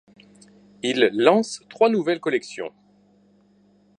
Il lance trois nouvelles collections.